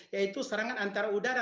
yaitu serangan antara udara